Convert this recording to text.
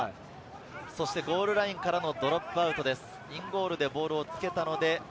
ゴールラインからのドロップアウト。